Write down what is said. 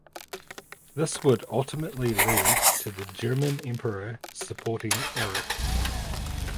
This would ultimately lead to the German emperor supporting Eric.